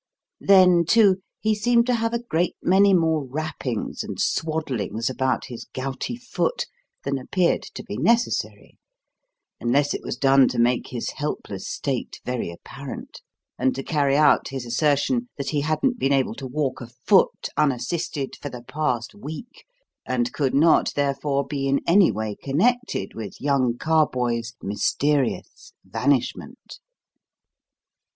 Then, too, he seemed to have a great many more wrappings and swaddlings about his gouty foot than appeared to be necessary unless it was done to make his helpless state very apparent, and to carry out his assertion that he hadn't been able to walk a foot unassisted for the past week, and could not, therefore, be in any way connected with young Carboys' mysterious vanishment.